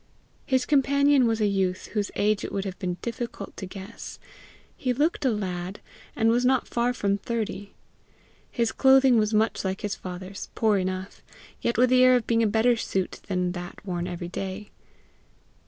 His companion was a youth whose age it would have been difficult to guess. He looked a lad, and was not far from thirty. His clothing was much like his father's poor enough, yet with the air of being a better suit than that worn every day.